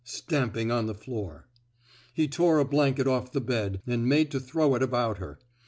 '' stamping on the floor. He tore a blanket off the bed and made to throw it about her.